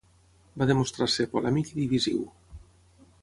Va demostrar ser polèmic i divisiu.